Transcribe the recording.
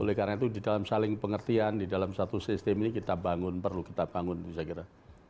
oleh karena itu di dalam saling pengertian di dalam satu sistem ini kita bangun perlu kita bangun saya kira